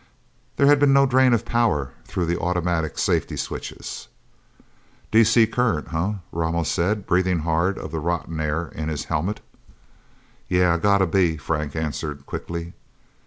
There had been no drain of power through the automatic safety switches. "DC current, huh?" Ramos said, breathing hard of the rotten air in his helmet. "Yeah gotta be," Frank answered quickly.